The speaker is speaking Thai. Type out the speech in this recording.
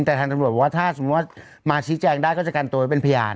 แต่ทางตรวจว่าถ้าสมมติว่ามาชี้แจงได้ก็จะกันตัวเป็นพยาน